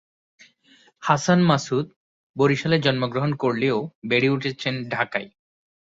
হাসান মাসুদ বরিশালে জন্মগ্রহণ করলেও বেড়ে উঠেছেন ঢাকায়।